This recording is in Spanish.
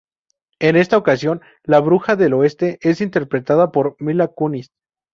En esta ocasión, la bruja del oeste es interpretada por Mila Kunis.